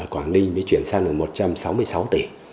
quảng ninh mới chuyển sang được một trăm sáu mươi sáu tỷ